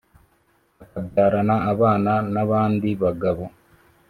akabyarana abana n’abandi bagabo.